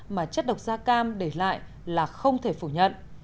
mà chất độc da cam để lại là không thể phủ nhận